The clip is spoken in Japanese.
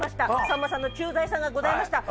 さんまさんの「駐在さん」がございました